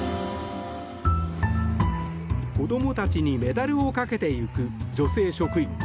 子供たちにメダルをかけていく女性職員。